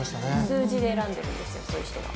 数字で選んでるんですよそういう人は。